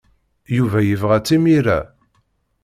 Yuba yebɣa-tt imir-a.